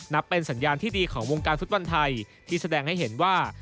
เป็นสัญญาณที่ดีของวงการฟุตบอลไทยที่แสดงให้เห็นว่า